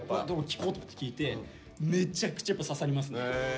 聴こうって聴いてめちゃくちゃやっぱ刺さりますね。